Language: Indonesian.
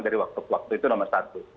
dari waktu ke waktu itu nomor satu